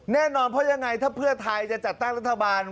แน่นอนเพราะยังไงถ้าเพื่อไทยจะจัดตั้งรัฐบาล